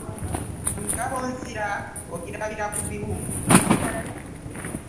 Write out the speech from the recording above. Ngabo nzira ogirabira ku biwundu.